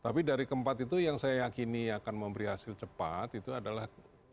tapi dari keempat itu yang saya yakini akan memberi hasil cepat itu adalah